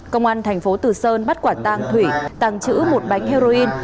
công an thành phố tử sơn bắt quản tàng thủy tàng trữ một bánh heroin